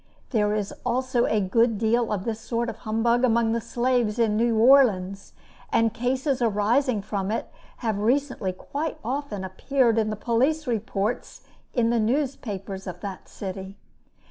There is also a good deal of this sort of humbug among the slaves in New Orleans, and cases arising from it have recently quite often appeared in the police reports in the newspapers of that city.